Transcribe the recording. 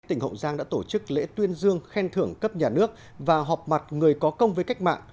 tỉnh hậu giang đã tổ chức lễ tuyên dương khen thưởng cấp nhà nước và họp mặt người có công với cách mạng